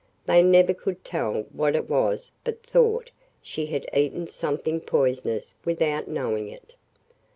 They never could tell what it was but thought she had eaten something poisonous without knowing it.